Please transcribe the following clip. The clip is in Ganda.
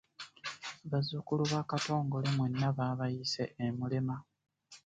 Bazzukulu ba Katongole mwenna baabayise e Mulema.